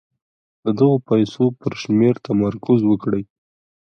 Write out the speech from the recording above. د دغو پيسو پر شمېر تمرکز وکړئ.